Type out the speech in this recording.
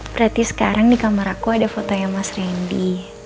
berarti sekarang di kamar aku ada fotonya mas randy